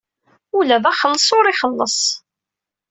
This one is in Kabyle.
Ula d axelleṣ ur t-ixelleṣ.